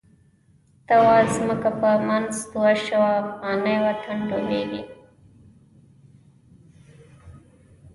ته وا ځمکه په منځ دوه شوه، افغانی وطن ډوبیږی